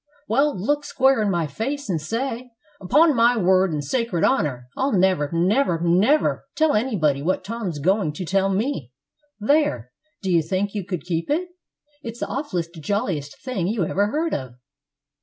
Well, look square in my face and say, 'Upon my word and sacred honor, I'll never, never, never tell anybody what Tom's going to tell me!' There! do you think you could keep it? It's the awfulest jolliest thing you ever heard of."